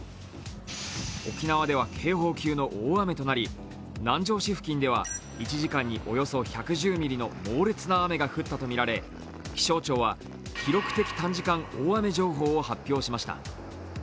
沖縄では警報級の大雨となり南城市付近では１時間におよそ１１０ミリの猛烈な雨が降ったとみられ気象庁は記録的短時間大雨情報を発表しました。